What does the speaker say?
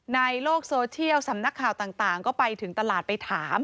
ในโลกโซเชียลสำนักข่าวต่างก็ไปถึงตลาดไปถาม